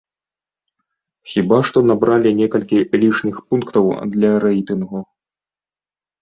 Хіба што набралі некалькі лішніх пунктаў для рэйтынгу.